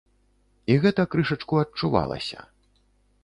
І гэта крышачку адчувалася.